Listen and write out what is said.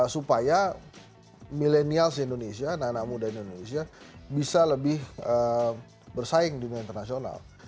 supaya millennials indonesia anak anak muda indonesia bisa lebih bersaing di dunia internasional